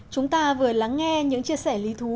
chúng ta vừa lắng nghe những chia sẻ lý thú